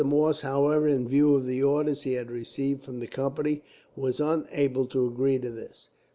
Morse, however, in view of the orders he had received from the Company, was unable to agree to this.